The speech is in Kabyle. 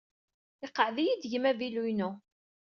Iqeɛɛed-iyi-d gma avilu-inu.